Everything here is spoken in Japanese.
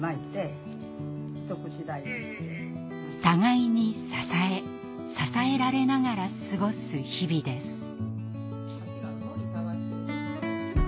互いに支え支えられながら過ごす日々です。